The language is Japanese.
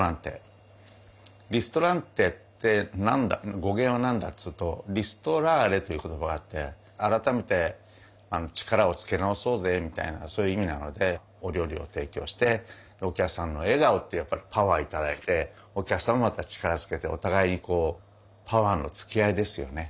リストランテって語源は何だっていうと「リストラーレ」という言葉があって「改めて力をつけ直そうぜ」みたいなそういう意味なのでお料理を提供してお客さんの笑顔っていうやっぱりパワー頂いてお客様もまた力をつけてお互いこうパワーのつけ合いですよね。